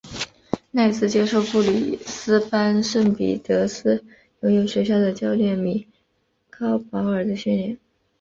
赖斯接受布里斯班圣彼得斯游泳学校的教练米高保尔的训练。